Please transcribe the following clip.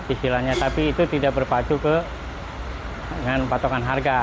istilahnya tapi itu tidak berpacu ke dengan patokan harga